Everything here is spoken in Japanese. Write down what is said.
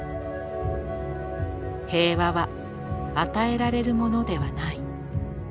平和は与えられるものではない。